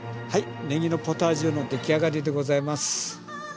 はいねぎのポタージュのできあがりでございます。